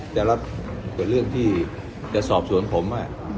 จะรับเป็นเรื่องที่จะสอบสวนผม